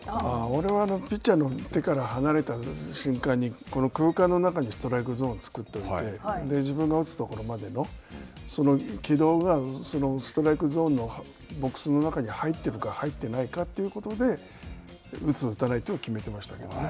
俺は、ピッチャーの手から離れた瞬間にこの空間の中にストライクゾーンを作っておいて、自分が打つところまでのその軌道がストライクゾーンのボックスの中に入ってるか入ってないかということで打つ、打たないと決めてましたけれども。